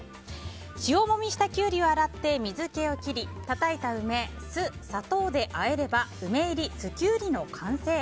塩もみしたキュウリを洗って水気を切りたたいた梅、酢、砂糖であえれば梅入り酢キュウリの完成。